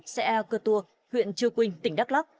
xe cơ tour huyện chư quynh tỉnh đắk lắk